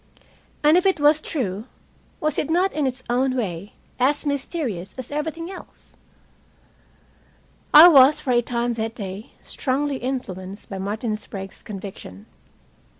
And if it was true, was it not in its own way as mysterious as everything else? I was, for a time that day, strongly influenced by Martin Sprague's conviction.